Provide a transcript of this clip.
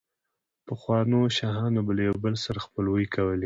پخوانو شاهانو به له يو بل سره خپلوۍ کولې،